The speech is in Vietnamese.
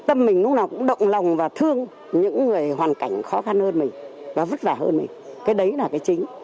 tâm mình lúc nào cũng động lòng và thương những người hoàn cảnh khó khăn hơn mình và vất vả hơn mình cái đấy là cái chính